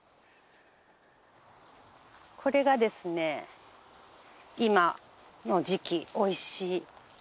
これがですね今の時期おいしい谷中生姜です。